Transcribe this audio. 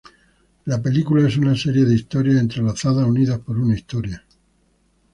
La película es una serie de historias entrelazadas unidas por una historia.